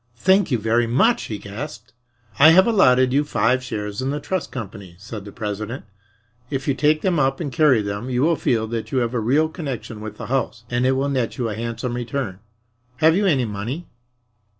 "Thank you very much," he gasped. "I have allotted you five shares in the trust company," said the president. "If you take them up and carry them you will feel that you have a real connection with the house and it will net you a handsome return. Have you any money?"